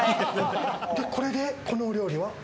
これで、このお料理は。